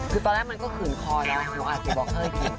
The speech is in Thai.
คือตอนแรกมันก็ขื่นคอแล้วของอาศิบาลเคอร์กิน